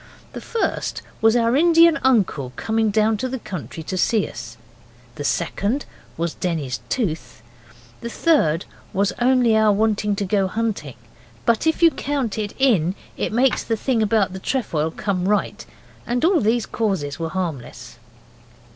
The first was our Indian uncle coming down to the country to see us. The second was Denny's tooth. The third was only our wanting to go hunting; but if you count it in it makes the thing about the trefoil come right. And all these causes were harmless.